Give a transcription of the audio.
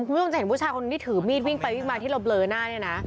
คุณผู้ชมจะเห็นผู้ชายคนที่ถือมีดวิ่งไปวิ่งมาที่เราเบลอหน้าเนี่ยนะ